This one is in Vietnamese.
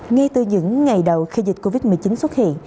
ngay từ những ngày đầu khi dịch covid một mươi chín xuất hiện